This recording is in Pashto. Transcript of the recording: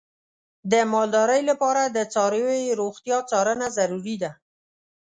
د مالدارۍ لپاره د څارویو روغتیا څارنه ضروري ده.